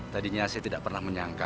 tadinya saya tidak pernah menyangka